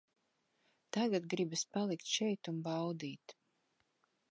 Tagad gribas palikt šeit un baudīt.